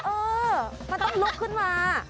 เออมันต้องลุกขึ้นมา